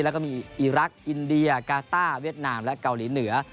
แล้วก็มีอีรักษ์อินเดียกาต้าเวียดนามและเกาหลีเหนือ